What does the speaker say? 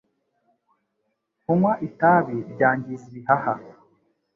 Kunywa itabi byangiza ibihaha